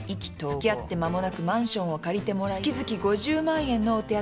つきあって間もなくマンションを借りてもらい月々５０万円のお手当も受けていた。